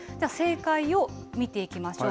正解を見ていきましょう。